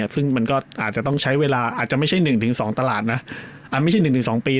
ซึ่งมันก็อาจจะต้องใช้เวลาอาจจะไม่ใช่๑๒ปี